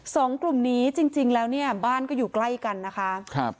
สองกลุ่มนี้จริงจริงแล้วเนี่ยบ้านก็อยู่ใกล้กันนะคะครับ